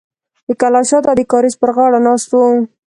د کلا شاته د کاریز پر غاړه ناست و.